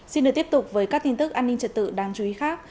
xin được tiếp tục với các tin tức an ninh trật tự đáng chú ý khác